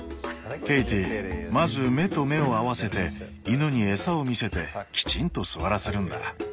ケイティまず目と目を合わせて犬に餌を見せてきちんと座らせるんだ。